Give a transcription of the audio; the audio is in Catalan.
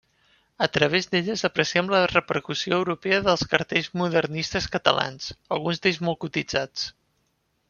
A través d'elles apreciem la repercussió europea dels cartells modernistes catalans, alguns d’ells molt cotitzats.